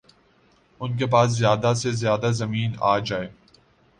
ان کے پاس زیادہ سے زیادہ زمین آجائے